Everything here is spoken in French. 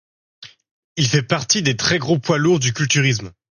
Il fait partie des très gros poids lourds du culturisme.